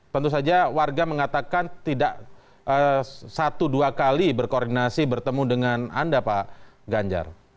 tentu saja warga mengatakan tidak satu dua kali berkoordinasi bertemu dengan anda pak ganjar